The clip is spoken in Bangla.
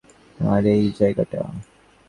আর এই জায়গাটা।